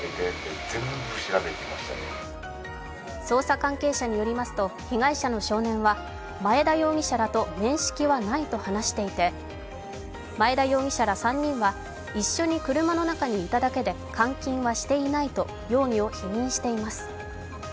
捜査関係者によりますと、被害者の少年は前田容疑者らと面識はないと話していて、前田容疑者ら３人は一緒に車の中にいただけで監禁はしていないと容疑を否認しています。